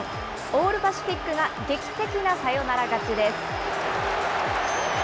オール・パシフィックが劇的なサヨナラ勝ちです。